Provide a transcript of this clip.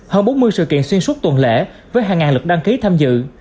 hơn bốn mươi sự kiện xuyên suốt tuần lễ với hàng ngàn lượt đăng ký tham dự